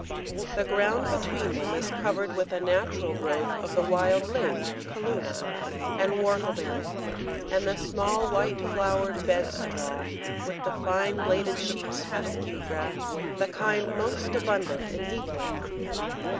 The ground between them is covered with a natural growth of the wild Ling (Calluna) and Whortleberry, and the small, white flowered Bed straw, with the fine bladed Sheep's fescue grass, the kind most abundant in heathland.